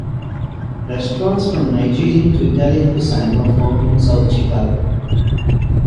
Restaurants from Nigerian to Italian cuisine are found in South Chicago.